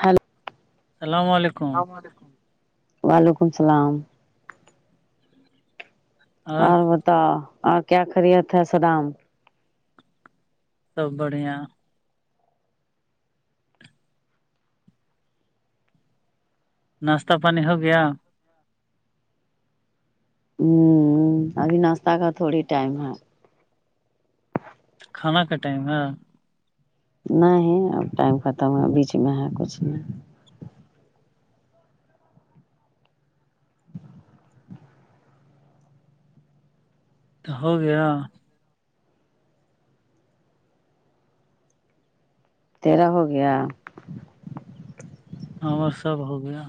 hello السلام علیکم اللام علیکم وعلیکم السلام اور تو اور کیا خریت ہے سدام سب بڑھیا ناشتہ پانی ہو گیا ہ ابھی ناشتہ کا تھوڑی ٹائم ہے کھانا کا ٹائم ہے نہیں ہے اب ٹائم ختم ہے بیچ میں ہے کچھ نہیں تو ہو گیا تیرہ ہو گیا ہمر سب ہو گیا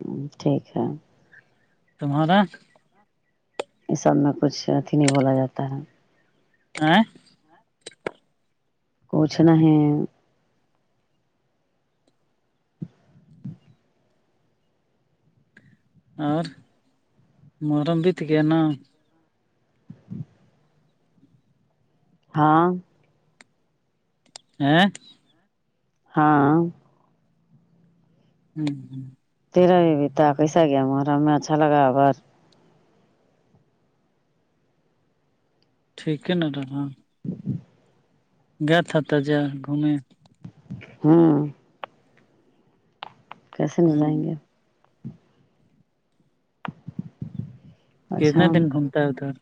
ہ ٹھیک ہے تمہارا یہ سب میں کچھ اتھی نہیں بولا جاتا ہے آ کچھ نہیں اور محرم بھی ت کیا نا ہاں ہاں ہاں ہوں ہ تیرا بھی بھیتا کیسا گیا ما میں اچھا لگاار ٹھیک ہے ن داد ہ گ تھ ہوت جا گھوم ہاں کیسے نہیں ہوں جائیں گے- اچھا کتنے دن گھومتا ہے ا توھر-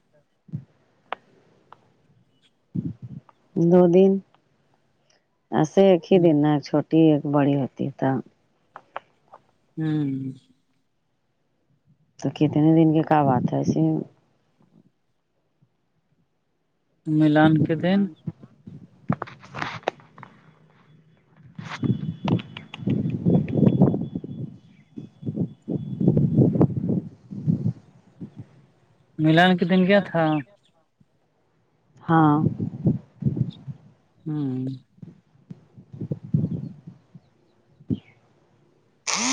دو دن آسے ایک ہی دن ن چھوٹ- ٹی ایک بڑی ہوتی ہے تب- ہوں تو کتنے دن کی کا بات ہے ایسے ملان کے دن [inaudible] ملان کے دن کیایا تھا- ہاں ہوں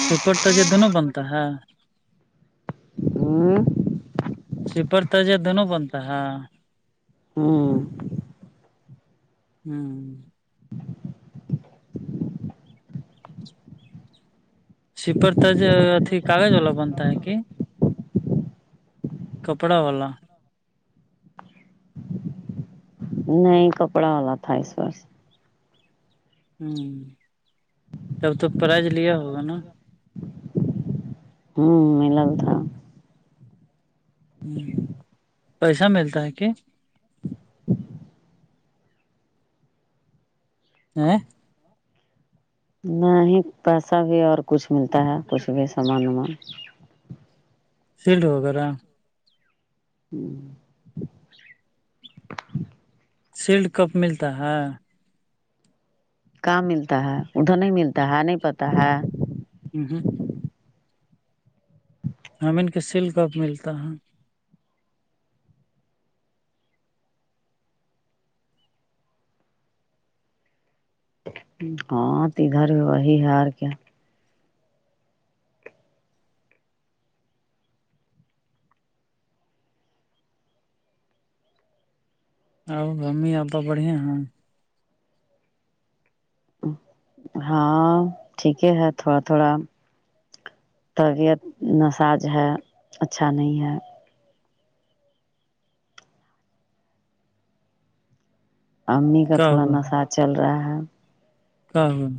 سپٹ تج دونوں بنتا ہے- ہاں سپر تجہ دونوں بنتا ہےاں ہاں ہوں سیپر تج ا کاغذ والا بنتا ہے کہ کپڑا والا- نہیں کپڑا والا تھا اس ور سے- ہوں تب تو پرائز لیا ہوگا نا- ہوں ملال تھا ہوں پیسہ ملتا ہے کہ- [inaudible] آ نہیں پیسہ بھی اور کچھ ملتا ہے کچھ بھی سامان ومان- سیلڈ وغیرہ- ہوں سیلڈ کپ ملتا ہے- کام ملتا ہے ادھر نہیں ملتا ہے نہیں پتہ ہے- ہ ہ این کے سل کپ ملتا ہے- ہاں تو ادھر بھی وہی ہے کیا- آب ممی آپ تو بڑھیا ہیں- ہاں ٹھیک ہے تھوڑا- تھوڑا- طبیعت نساج ہے اچھا نہیں ہے- امی کا کیا تھوڑا نشہ چل رہا ہے- ہاں- ہاں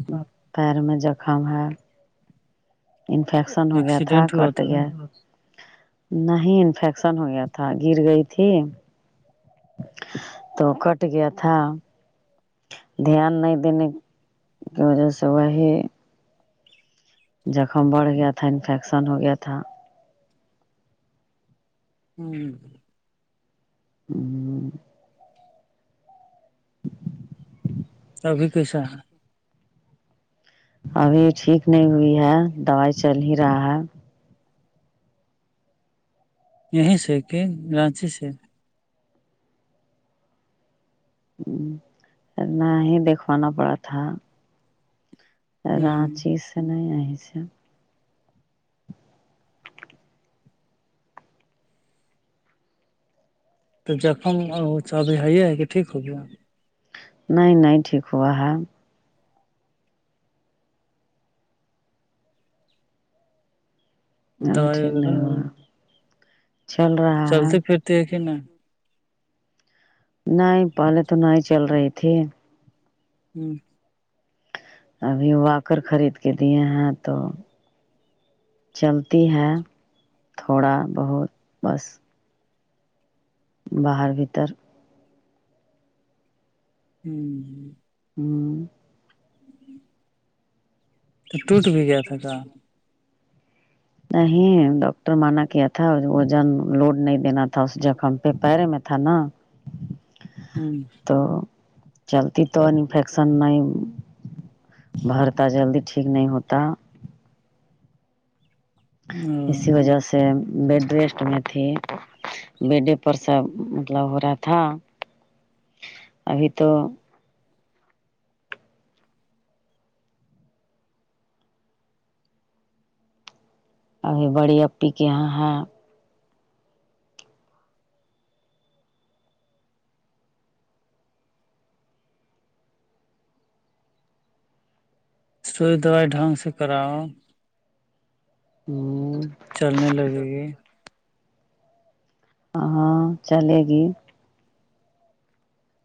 پیر میں جخم ہے- انفیکشن ہو گیا تھا ایکسیڈینٹ ہوا کٹ گیا- نہیں انفیکشن ہو گیا تھا گر گئی تھی- تو کٹ گیا تھا- دھیان نہیں دینے کی وجہ سے وہی- جخم بڑھ گیا تھا انفیکشن ہو گیا تھا- ہوں ہوں- ہوں- ابھی کیسا ہے- ابھی ٹھیک نہیں ہوئی ہے دوائی چل ہی رہا ہے یہیں سے کہ رانچی سے انا ہی دیکھوانا پڑا تھا ہوں رانچی سے نہیں رہ سے تو جخم وہ چبی ہےائیے ہے کہ ٹھ ہو گیا نہیںائ ن تے کوو ابھی دوائی ٹھ نہیں وغیرہ ہوا چل رہا ہے چلتے پھرتے ہے کہ نہیں پہلے تو نہیں ہی چل رہی تھی ہوں ابھی وااکر خرید کے دیے ہیں تو چلتی ہے تھوڑا بہت بس باہر بھیتر ہوں ہوں تو ٹوٹ بھی گیا تھا کان نہیں ڈاکٹر مانا کیا تھا وزن لوڈ نہیں دینا تھا اس جخم پہ پیرے میں تھا نا [inaudible] ہوں تو چلتی تو انفیکشن نہیں بھرتا جلدی ٹھیک نہیں ہوتا اسی ہ وجہ سے بیڈ ریسٹ میں تھی بیڈے پر سب مطلب ہو رہا تھا ابھی تو ابھی بڑی ای کے یہاں ہے سوئی دوبائی ڈھنگ سے کراؤ ہوں چلنے لگے گی ہاں چلے گی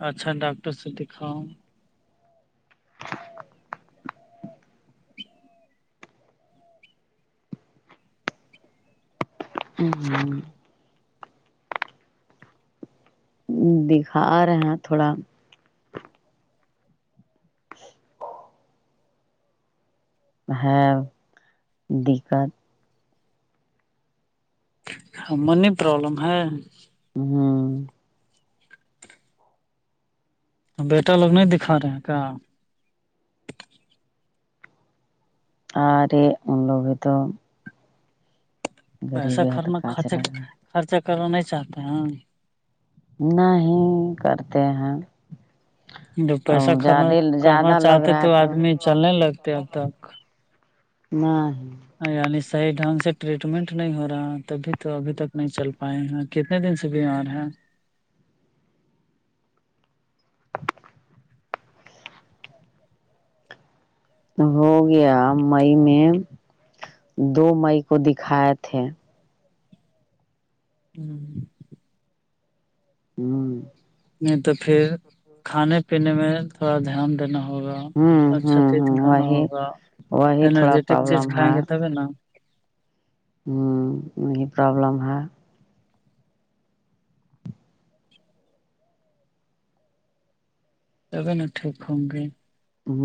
اچھا ڈاکٹر سے دکھاؤ ہ ہ دکھا رہے ہیں تھوڑا [inaudible] ہاں دقت منی پرابلم ہے ہوں بیٹا لوگ نہیں دکھا رہے ہیں کیا اور لگوں تو غریب پیسہ ہے تو خنا کا خرچا چلے گا خرچا کرنا نہیں چاہتے ہیں نہیں کرتے ہیں جو پیسہ اور خرا زیادہ کرنا زیادہ لگ چاہتے رہا ہے تو آدمی چلنے لگتے اب تک نہیں یعنی صحیح ڈھنگ سے ٹریٹمنٹ نہیں ہو رہا تبھی تو ابھی تک نہیں چل پائے ہیں کتنے دن سے بیمار ہے ہو گیا مئی میں دو مئی کو دکھائے تھے ہوں ہوں نہیں تو پھر کھانے پینے میں تھوڑا دھیان دینا ہوگا ہوں اچھا ہوں چیز ہوں کھانا وہی ہوگا وہی تھوڑا انرجیٹک چیز پرابلم کھائیں گے تبھی نا یہ پرابلم ہے تبے ن ٹھیک ہوں گے ہ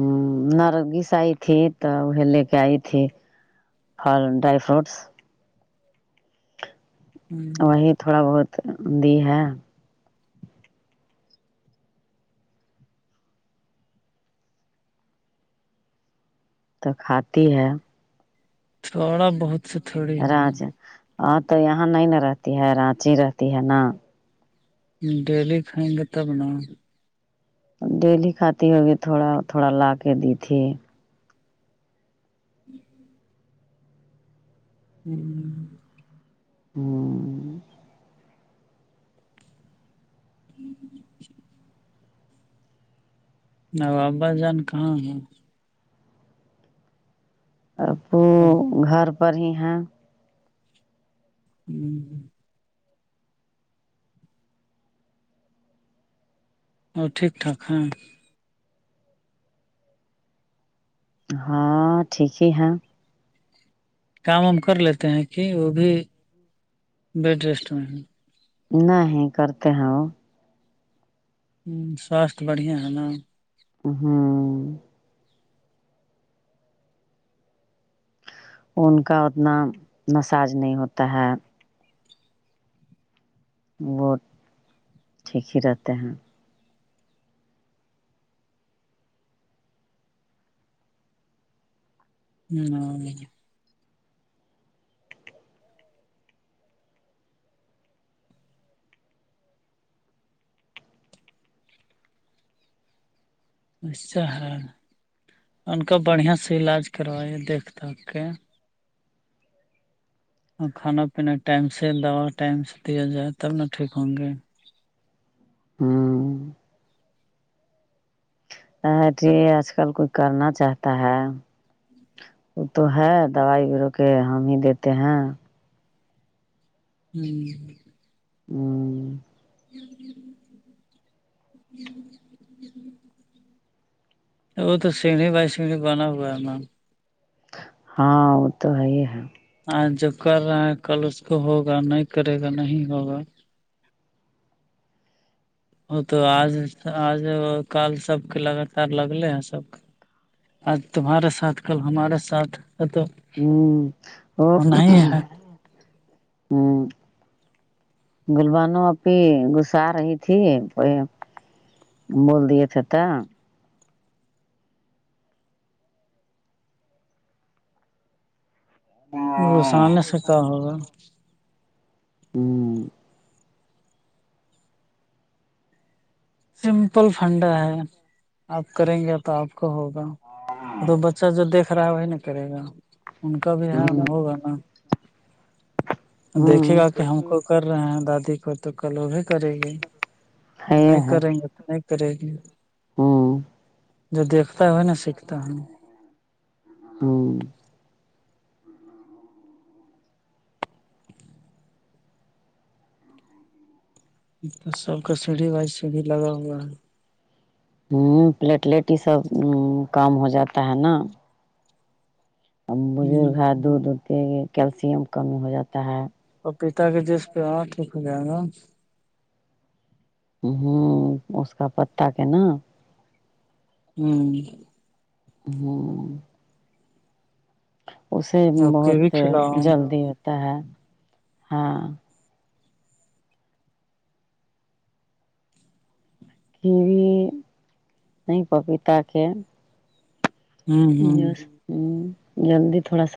نرگس آئی تھی تو وہ لے کے آئی تھی ہ ڈرائی فروٹس ہ وہی تھوڑا بہت دی ہے تو کھاتی ہے [unintelligible] سوڑا بہت [unintelligible] ہوگا رج ہ تو یہاں نہیں ن رہتی ہے رانچی رہتی ہے نا ڈیلی فائیں گتا بنا ڈیلی کھاتی ہوگی تھوڑا تھوڑا لا کے دی تھی جی [unintelligible] ہوں [unintelligible] ہوں ہھ [inaudible] ن بابا جان کہاں ہے ا پ اب گھر پر ہی ہیں ہوں [unintelligible] ہ ٹھیکٹاک ہاں ہاں ٹھیک ہی ہے [unintelligible] کام وم کر لیتے ہیں کہ وہ بھی بیڈ ریسٹ میں ہیں نہیں کرتے ہیں وہ ہوں سواستھ بڑھیاں ہے نا ہوں ان کا اتنا مساج نہیں ہوتا ہے وہ ٹھیک ہی رہتے ہیں ہ نہیں [unintelligible] اچھا ہے ان کا بڑھیا سے علاج کروائیے دھ داک کے اور کھانا پینا ٹائم سے دوا ٹائم سے دیا جائے تب نہ ٹھیک ہوں گے ہوں ہ آج کل کوئی کرنا چاہتا ہے وہ تو ہے دوائی بیرو کے ہم ہی دیتے ہیں ہوں ہوں [unintelligible] [inaudible] وہ تو سگنی بائی سگنی بنا ہوا ہے نام ہاں وہ تو ہےی ہے آاں جو کر رہا ہے کل اس کو ہوگا نہیں کرے گا نہیں ہوگا وہ تو آج آج کال سب کے لگاتار لگلے ہیں سب آج تمہارے ساتھ کل ہمارے ساتھ ہے تو ہوں اور نہیں ہے ہوں گلبانو اھی گسا رہی تھی وہ بول دیے تھت ہاں گغسانے سے کاا ہوگا ہوں سمپل فھنڈا ہے آپ کریں گے تو آپ کو ہوگا تو بچہ جو دیکھ رہا ہے وہی نا کرے گا ان کا بھی ہےان ہوگا نا دیکھے ہوں گا کہ ہم کو کر رہے ہیں دادی کو تو کل وہ بھی کرے گی ہے نہیں ہے ت نہیں کرے گی ہوں جو دھتا ہو نا سیکھتا ہے ہاں [unintelligible] تو سب کا سیڑھی بائی سیڑھی لگا ہوا ہے [unintelligible] ہوں پلیٹلیٹ یہ سب کام ہو جاتا ہے نا [unintelligible] بزرگ ہ ہے دودھ اھتے کیلشیم کمی ہو جاتا ہے [unintelligible] اور پیتا کے جس پہ ہے ٹھیک ہو جائے گا [unintelligible] ہوں اس کا پتاہ کہ ن [unintelligible] ہوں [unintelligible] ہوں [unintelligible] اسے اور کیوی بہت کھلاؤ جلدی ہوتا ہے ہاں پھر بھیی نہیں پپیتا کے [unintelligible] ہوں ج ہوں ہ جلدی تھوڑا سا [unintelligible]